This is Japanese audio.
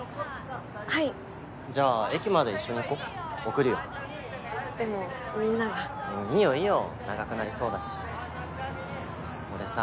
はいじゃあ駅まで一緒に行こ送るよでもみんながいいよいいよ長くなりそうだし俺さ